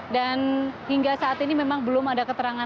dan hingga saat ini memang belum ada keterampilan